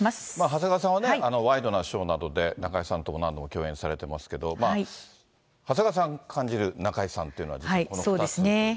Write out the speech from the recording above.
長谷川さんはね、ワイドナショーなどで中居さんと何度も共演されていますけれども、長谷川さんが感じる中居さんっていうのは。